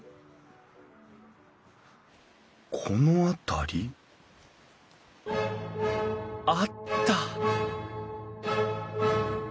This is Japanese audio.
この辺り？あった！